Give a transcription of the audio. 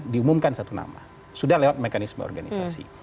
diumumkan satu nama sudah lewat mekanisme organisasi